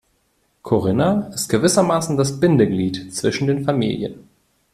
Corinna ist gewissermaßen das Bindeglied zwischen den Familien.